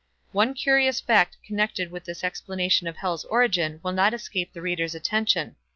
One curious fact connected with this explanation of Hell's origin will not escape the reader's attention.